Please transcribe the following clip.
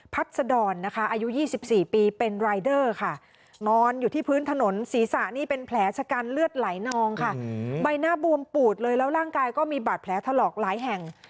สดรนะคะอายุ๒๔ปีเป็นรายเดอร์ค่ะนอนอยู่ที่พื้นถนนศีรษะนี่เป็นแผลชะกันเลือดไหลนองค่ะใบหน้าบวมปูดเลยแล้วร่างกายก็มีบาดแผลถลอกหลายแห่ง